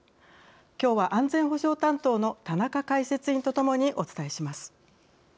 きょうは安全保障担当の田中解説委員とともにお伝えします。